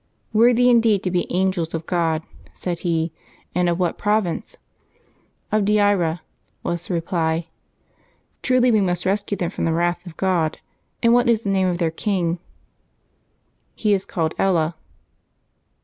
'^" Worthy indeed to be Angels of God," said he. *^ And of what province ?"" Of Deira," was the reply. *^ Truly must we rescue them from the wrath of God. And what is the name of their king ?''" He is called Ella.''